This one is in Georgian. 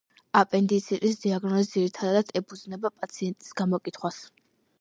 აპენდიციტის დიაგნოზი ძირითადად ეფუძნება პაციენტის გამოკითხვას.